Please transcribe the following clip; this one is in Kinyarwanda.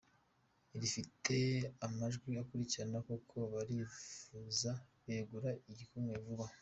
Rifite amajwi akurikirana kuko barivuza begura igikumwe vuba.